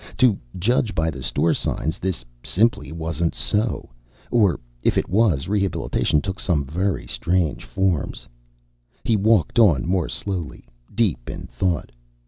To judge by the store signs, this simply wasn't so; or if it was, rehabilitation took some very strange forms. He walked on more slowly, deep in thought.